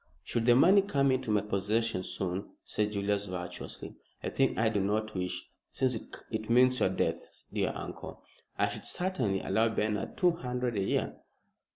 "Should the money come into my possession soon," said Julius, virtuously, "a thing I do not wish, since it means your death, dear uncle, I should certainly allow Bernard two hundred a year."